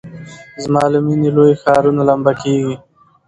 زما له میني لوی ښارونه لمبه کیږي